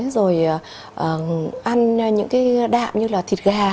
rồi ăn những cái đạm như là thịt gà